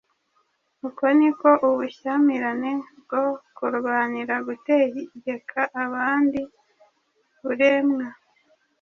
Uko ni ko ubushyamirane bwo kurwanira gutegeka abandi buremwa;